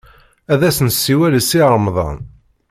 Ad as-nessiwel i Si Remḍan.